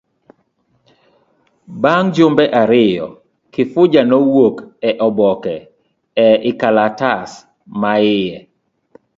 Bang' jumbe ariyo, Kifuja nowuok e oboke, e lkalatas maiye.